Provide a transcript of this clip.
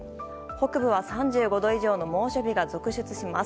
北部は３５度以上の猛暑日が続出します。